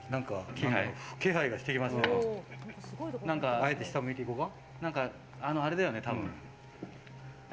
あえて下向いて行こうか？